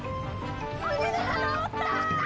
船が直った！